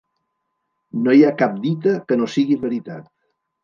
No hi ha cap dita que no sigui veritat.